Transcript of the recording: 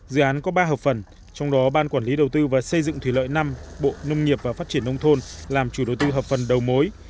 dự án có ba hợp phần trong đó ban quản lý đầu tư và xây dựng thủy lợi năm bộ nông nghiệp và phát triển nông thôn làm chủ đối tư hợp phần đầu mối